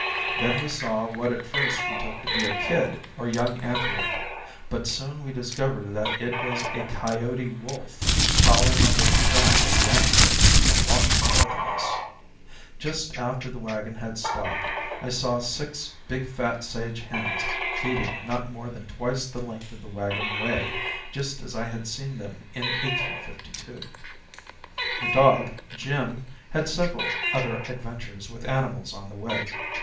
Then we saw what at first we took to be a kid, or young antelope; but soon we discovered that it was a coyote wolf, prowling on the track of the antelope, and watching both of us. Just after the wagon had stopped, I saw six big, fat sage hens feeding not more than twice the length of the wagon away, just as I had seen them in 1852. [Illustration: Jim, the collie that made the journey from Washington to Washington.] The dog, Jim, had several other adventures with animals on the way.